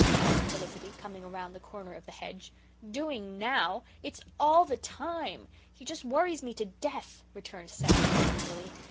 asked Felicity, coming around the corner of the hedge. "Doing NOW! It's ALL the time. He just worries me to death," returned Cecily angrily.